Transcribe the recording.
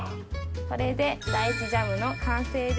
これでライチジャムの完成です。